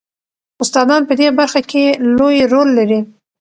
استادان په دې برخه کې لوی رول لري.